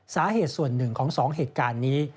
สาเหตุส่วนหนึ่งของ๒เหตุการณ์นี้